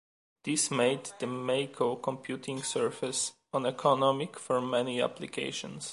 This made the Meiko Computing Surface uneconomic for many applications.